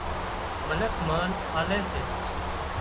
منک مانَ آلي سي